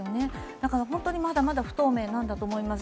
だから、本当にまだまだ不透明なんだと思います。